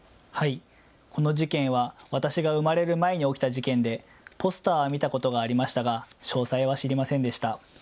この事件は私が生まれる前に起きた事件でポスターは見たことがありましたが詳細は知りませんでした。